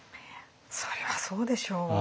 それはそうでしょう。